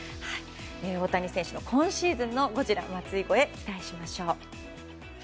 大谷選手の今シーズンのゴジラ松井超え期待しましょう。